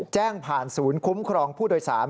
แจ้งผ่านศูนย์คุ้มครองผู้โดยสาร